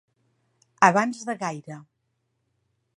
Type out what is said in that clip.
Abans de gaire.